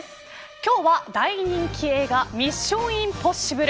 今日は、大人気映画ミッション：インポッシブル。